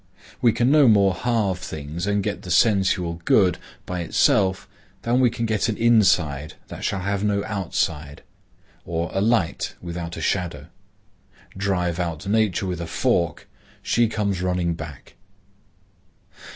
We can no more halve things and get the sensual good, by itself, than we can get an inside that shall have no outside, or a light without a shadow. "Drive out Nature with a fork, she comes running back."